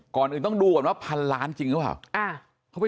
ก่อนอื่นต้องดูก่อนว่าพันล้านจริงหรือเปล่า